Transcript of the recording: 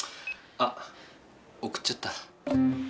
あっ送っちゃった。